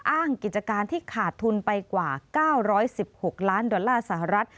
อ้างกิจการที่ขาดทุนไปกว่า๙๑๖ล้านดอลลาร์สหรัฐ